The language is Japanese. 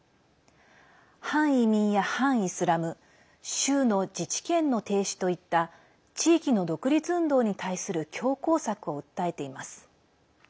反移民や反イスラム州の自治権の停止といった地域の独立運動に対する強攻策を訴えています。